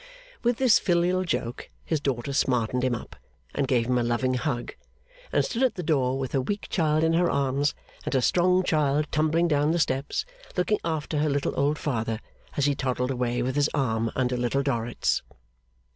With this filial joke his daughter smartened him up, and gave him a loving hug, and stood at the door with her weak child in her arms, and her strong child tumbling down the steps, looking after her little old father as he toddled away with his arm under Little Dorrit's.